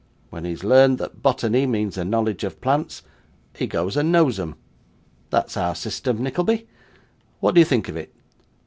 When he has learned that bottinney means a knowledge of plants, he goes and knows 'em. That's our system, Nickleby: what do you think of it?